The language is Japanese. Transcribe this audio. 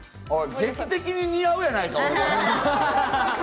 劇的に似合うやないか！